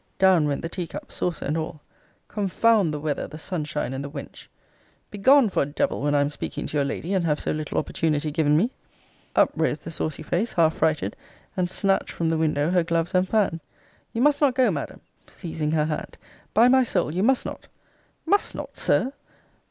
Down went the tea cup, saucer and all Confound the weather, the sunshine, and the wench! Begone for a devil, when I am speaking to your lady, and have so little opportunity given me. Up rose the saucy face, half frighted; and snatched from the window her gloves and fan. You must not go, Madam! Seizing her hand by my soul you must not Must not, Sir!